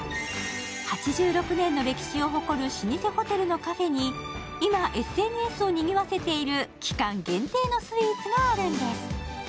８６年の歴史を誇る老舗ホテルのカフェに今ＳＮＳをにぎわせている、期間限定のスイーツがあるんです。